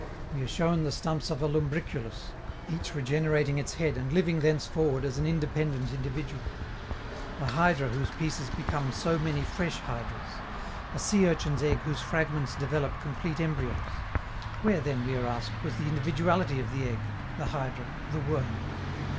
We are shown the stumps of a Lumbriculus, each regenerating its head and living thence forward as an independent individual; a hydra whose pieces become so many fresh hydras; a sea urchin's egg whose fragments develop complete embryos: where then, we are asked, was the individuality of the egg, the hydra, the worm?